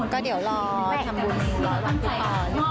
ก็เดี๋ยวรอทำบุญของพี่ปอ